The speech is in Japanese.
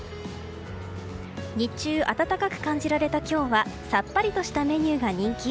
日中、暖かく感じられた今日はさっぱりとしたメニューが人気。